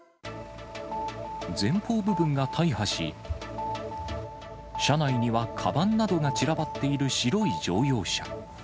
前方部分が大破し、車内にはかばんなどが散らばっている白い乗用車。